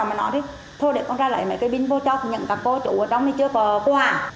rồi mà nói thì thôi để con ra lấy mấy cái pin vô cho thì những các cô chủ ở trong thì chưa có quà